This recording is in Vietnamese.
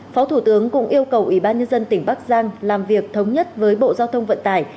phó thủ tướng cũng yêu cầu ủy ban nhân dân tỉnh bắc giang làm việc thống nhất với bộ giao thông vận tải